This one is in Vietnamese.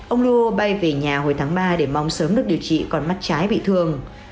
ông lu bay về nhà hồi tháng ba để mong sớm được điều trị còn mắt trái bị thương